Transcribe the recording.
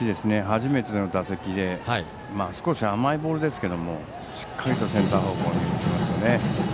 初めての打席で少し甘いボールでしたけどしっかりとセンター方向に打ちましたね。